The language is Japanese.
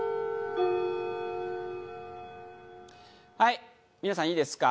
はい皆さんいいですか？